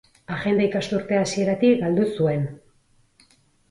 Agenda ikasturte hasieratik galdu zuen.